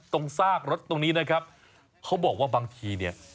ซากรถตรงนี้นะครับเขาบอกว่าบางทีเนี่ย